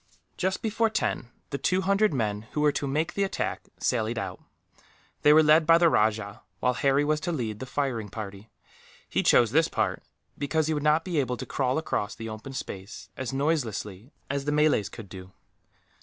Just before ten, the two hundred men who were to make the attack sallied out. They were led by the rajah, while Harry was to lead the firing party. He chose this part, because he would not be able to crawl across the open space as noiselessly as the Malays could do.